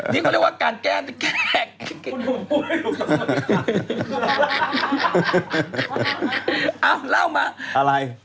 นี่ก็เรียกว่าการแกล้งแกล้งอ่าเล่ามาอะไร